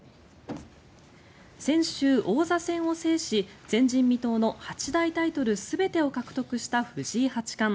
先週、王座戦を制し前人未到の八大タイトル全てを獲得した藤井八冠。